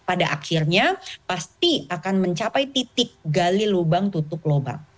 pada akhirnya pasti akan mencapai titik gali lubang tutup lubang